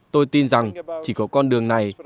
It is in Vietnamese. tôi tin rằng chỉ có con đường này